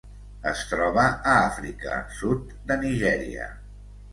Es troba a Àfrica: sud de Nigèria.